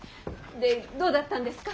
でどうだったんですか？